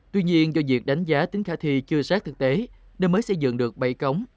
tuy nhiên do việc đánh giá tính khả thi chưa sát thực tế nên mới xây dựng được bảy cống